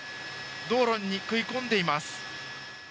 道路に食い込んでいます。